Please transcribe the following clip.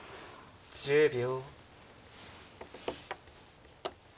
１０秒。